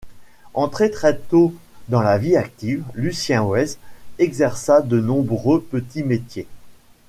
Entré très tôt dans la vie active, Lucien Weitz exerça de nombreux petits métiers.